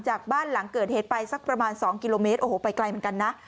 จากบ้านหลังเกิดเหตุไปสักประมาณ๒กิโลเมตรโอ้โหไปไกลเหมือนกันนะ